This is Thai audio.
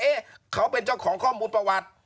เขาเป็นเจ้าของข้อมูลประวัติ